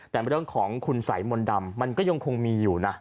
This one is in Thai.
แต่เรื่องของคุณสัยมนต์ดำมันก็ยังคงมีอยู่นะ